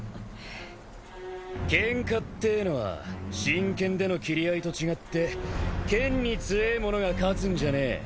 ケンカってえのは真剣での斬り合いと違って剣に強え者が勝つんじゃねえ。